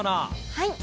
はい。